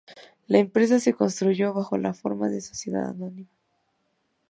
La empresa se constituyó bajo la forma de sociedad anónima.